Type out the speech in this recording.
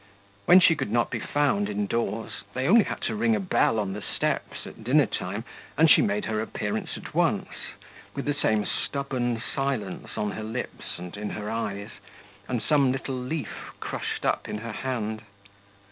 When she could not be found indoors, they had only to ring a bell on the steps at dinner time and she made her appearance at once, with the same stubborn silence on her lips and in her eyes, and some little leaf crushed up in her hand.